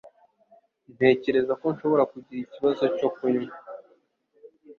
Ntekereza ko nshobora kugira ikibazo cyo kunywa.